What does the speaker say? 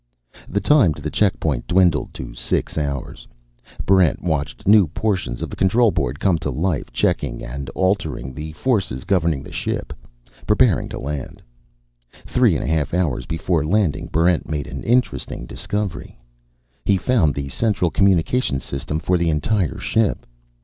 The time to the checkpoint dwindled to six hours. Barrent watched new portions of the control board come to life, checking and altering the forces governing the ship, preparing for a landing. Three and a half hours before landing, Barrent made an interesting discovery. He found the central communication system for the entire ship.